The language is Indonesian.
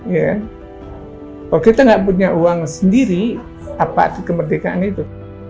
kalau kita nggak punya uang sendiri apa kemerdekaan itu